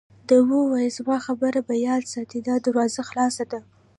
ده وویل: زما خبره یاد ساته، دا دروازه خلاصه ده.